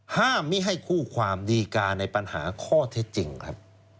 มิให้คู่ความดีการในปัญหาข้อเท็จจริงครับ